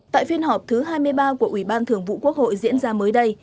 tại phiên họp thứ hai mươi ba của ủy ban thường vụ quốc hội diễn ra mới đây